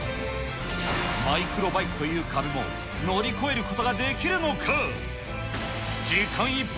マイクロバイクという壁も乗り越えることができるのか。